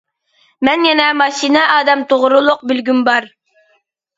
مەن يەنە ماشىنا ئادەم توغرۇلۇق بىلگۈم بار.